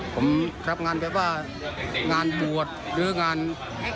ผมรับงานแบบว่างานปวดหรืองานบ้านใหม่